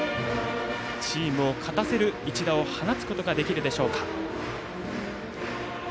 チームを勝たせる一打を放つことができるでしょうか。